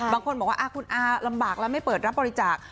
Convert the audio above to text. บางคนบอกว่าคุณอาลำบากแล้วไม่เปิดรับบริจาค